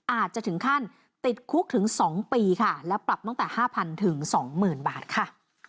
อาจจะถึงขั้นติดคลุกถึงสองปีค่ะและปรับตั้งแต่ห้าพันถึงสองหมื่นบาทค่ะ